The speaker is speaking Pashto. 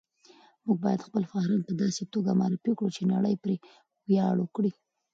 موږ باید خپل فرهنګ په داسې توګه معرفي کړو چې نړۍ پرې ویاړ وکړي.